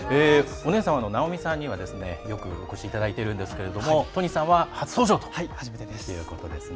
お姉さんの直美さんにはよくお越しいただいているんですが都仁さんは初登場ということですね。